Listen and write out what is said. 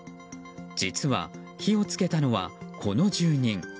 実は、火を付けたのはこの住人。